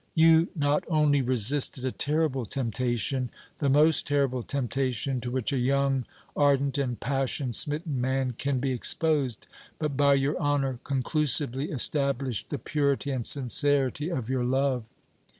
You not only resisted a terrible temptation, the most terrible temptation to which a young, ardent and passion smitten man can be exposed, but by your honor conclusively established the purity and sincerity of your love.